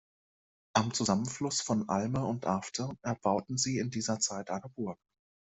Am Zusammenfluss von Alme und Afte erbauten sie in dieser Zeit eine Burg.